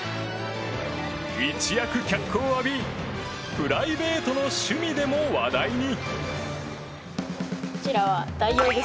一躍脚光を浴びプライベートの趣味でも話題に。